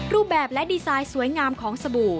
รูปแบบและดีไซน์สวยงามของสบู่